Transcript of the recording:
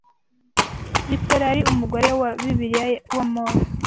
Zipora yari umugore wa Bibiliya wa Mose